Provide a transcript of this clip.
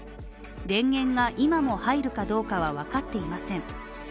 電源が今も入るかどうかはわかっていません。